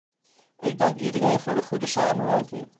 Ik dank iedereen voor de goede samenwerking.